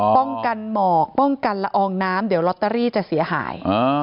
ป้องกันหมอกป้องกันละอองน้ำเดี๋ยวลอตเตอรี่จะเสียหาย